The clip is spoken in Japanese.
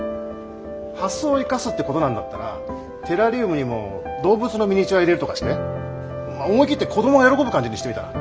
発想を生かすってことなんだったらテラリウムにも動物のミニチュア入れるとかして思い切って子どもが喜ぶ感じにしてみたら？